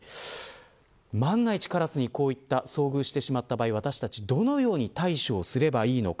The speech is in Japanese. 万が一カラスにこういった遭遇をしてしまった場合私たちどのように対処をすればいいのか。